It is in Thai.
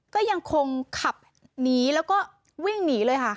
ก็ยังคงขับหนีแล้วก็วิ่งหนีเลยค่ะ